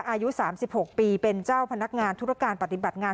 อายุ๓๖ปีเป็นเจ้าพนักงานธุรการปฏิบัติงาน